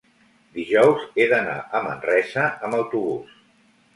dijous he d'anar a Manresa amb autobús.